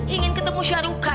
ingin ketemu syarukan